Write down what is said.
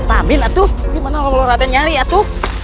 apa amin itu gimana lu rada nyari itu